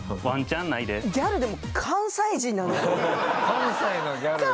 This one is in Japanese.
関西のギャルだ。